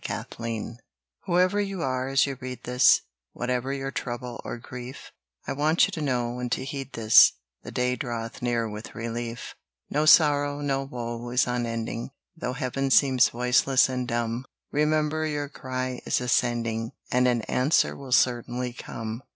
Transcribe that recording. LISTEN Whoever you are as you read this, Whatever your trouble or grief, I want you to know and to heed this, The day draweth near with relief. No sorrow, no woe, is unending; Though heaven seems voiceless and dumb, Remember your cry is ascending, And an answer will certainly come.